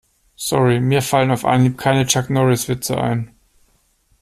Sorry, mir fallen auf Anhieb keine Chuck-Norris-Witze ein.